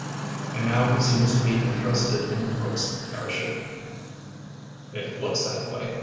"And now he seems to be interested in Brooks' parachute?" "It looks that way.